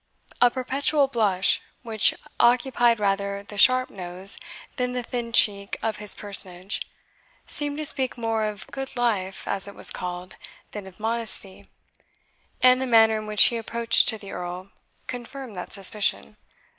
A perpetual blush, which occupied rather the sharp nose than the thin cheek of this personage, seemed to speak more of "good life," as it was called, than of modesty; and the manner in which he approached to the Earl confirmed that suspicion.